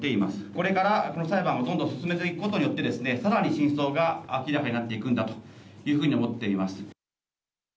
これからこの裁判をどんどん進めていくことによってさらに真相が明らかになっていくんだというふうに思っています。